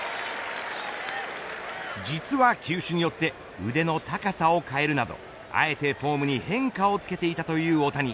実は球種によって腕の高さを変えるなどあえてフォームに変化をつけていたという大谷。